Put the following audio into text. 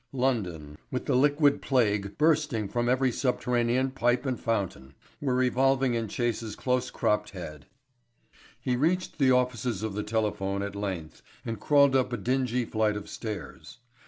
London with the liquid plague bursting from every subterranean pipe and fountain! The whirling headlines were revolving in Chase's close cropped head. He reached the offices of the Telephone at length and crawled up a dingy flight of stairs.